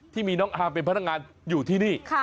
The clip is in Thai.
ที่มีน้องอาร์มเป็นพนักงานอยู่ที่นี่